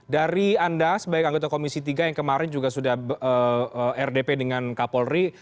dari anda sebagai anggota komisi tiga yang kemarin juga sudah rdp dengan kapolri